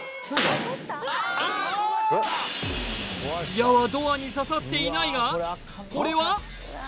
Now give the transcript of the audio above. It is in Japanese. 矢はドアに刺さっていないがこれは？